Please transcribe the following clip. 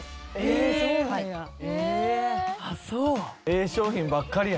そうなんや。